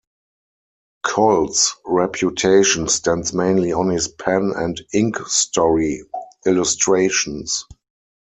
Coll's reputation stands mainly on his pen and ink story illustrations.